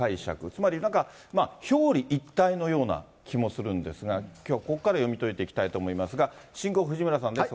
つまりなんか表裏一体のような気もするんですが、きょうはここから読み解いていきたいと思いますが、進行、藤村さんです。